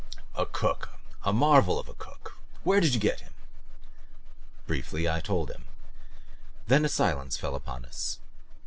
"A cook, a marvel of a cook. Where did you get him?" Briefly I told him. Then a silence fell upon us.